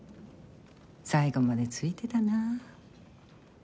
最後までツイてたなあ。